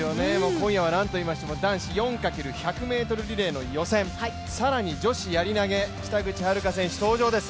今夜はなんといいましても男子４×１００ｍリレーの予選更に女子やり投北口榛花選手登場です。